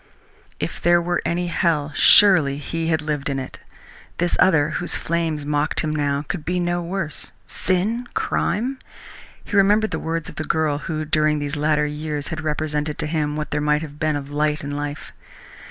If there were any hell, surely he had lived in it! This other, whose flames mocked him now, could be no worse. Sin! Crime! He remembered the words of the girl who during these latter years had represented to him what there might have been of light in life.